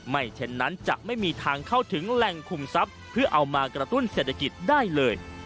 เช่นนั้นจะไม่มีทางเข้าถึงแหล่งคุมทรัพย์เพื่อเอามากระตุ้นเศรษฐกิจได้เลย